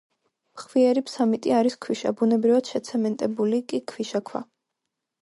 ფხვიერი ფსამიტი არის ქვიშა, ბუნებრივად შეცემენტებული კი ქვიშაქვა.